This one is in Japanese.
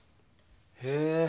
へえ。